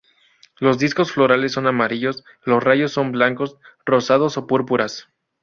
Los discos florales son amarillos, los rayos son blancos, rosados o púrpuras.